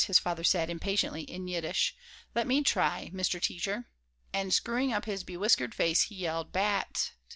his father said, impatiently, in Yiddish. "Let me try, Mr. Teacher." And screwing up his bewhiskered old face, he yelled, "Bat t t!"